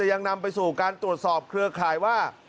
ยังนำไปสู่การตรวจสอบเครือข่ายว่า